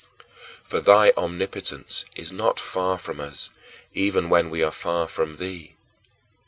For thy omnipotence is not far from us even when we are far from thee.